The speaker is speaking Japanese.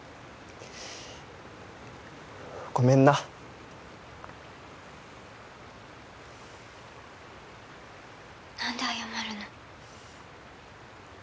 ごめんな☎なんで謝るの？